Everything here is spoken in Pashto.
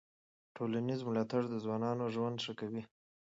ټولنیز ملاتړ د ځوانانو ژوند ښه کوي.